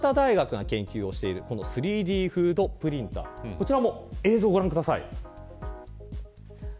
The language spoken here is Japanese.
こちらも映像をご覧ください。